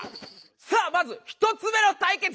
さあまず１つ目の対決。